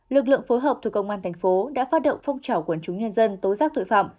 lực lượng phối hợp thuộc công an thành phố đã phát động phong trào quần chúng nhân dân tố giác tội phạm